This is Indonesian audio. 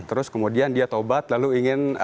terus kemudian dia taubat lalu ingin